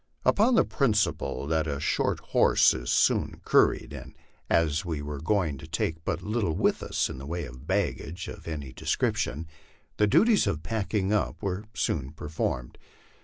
Upon the principle that a short horse is soon curried, and as we were going to take but little with us in the way of baggage of any description, the duties of packing up were soon performed.